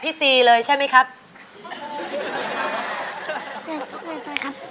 เพลงนี้ที่๕หมื่นบาทแล้วน้องแคน